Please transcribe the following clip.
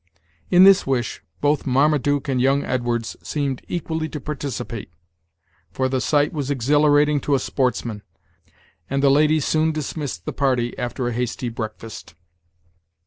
In this wish both Marmaduke and young Edwards seemed equally to participate, for the sight was exhilarating to a sportsman; and the ladies soon dismissed the party after a hasty breakfast.